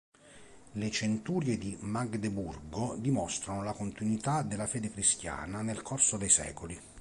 Le "Centurie di Magdeburgo" dimostrano la continuità della fede cristiana nel corso dei secoli.